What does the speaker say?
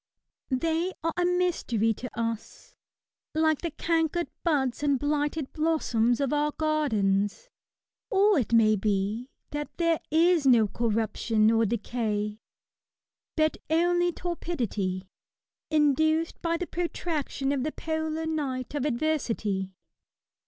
They are a mystery to us, like the cankered buds and blighted blossoms of our gardens. Or it may be, that there is no corruption or decay, but only torpidity, induced by the protraction of their polar night of adversity.